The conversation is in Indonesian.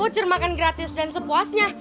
kucir makan gratis dan sepuasnya